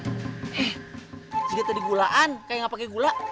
eh juga tadi gulaan kayak nggak pakai gula